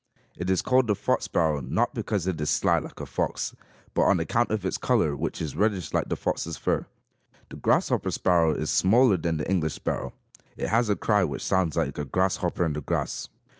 It is called the fox sparrow, not because it is sly like the fox, but on account of its color which is reddish like the fox's fur. The grasshopper sparrow is smaller than the English sparrow. It has a cry which sounds like a grasshopper in the grass.